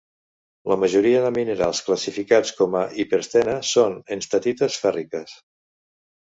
La majoria de minerals classificats com a hiperstena són enstatites fèrriques.